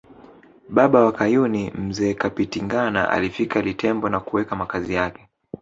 Baba wa Kayuni Mzee Kapitingana alifika Litembo na kuweka makazi yake